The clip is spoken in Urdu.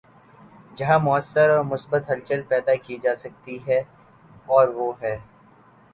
جہاں مؤثر اور مثبت ہلچل پیدا کی جا سکتی ہے‘ اور وہ ہے۔